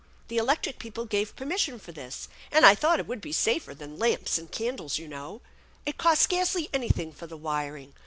The electric people gave permission for this, and I thought it would be safer than lamps and candles, you know. It cost scarcely anything for the wiring.